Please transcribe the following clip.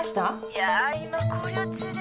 ☎いや今校了中で。